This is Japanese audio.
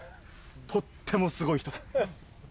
とってもすごい人だ。